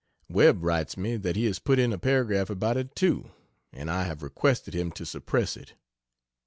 Webb writes me that he has put in a paragraph about it, too and I have requested him to suppress it.